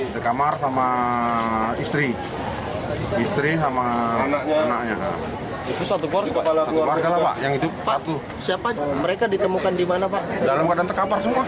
dalam keadaan terkapar semua